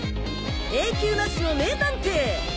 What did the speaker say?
迷宮なしの名探偵。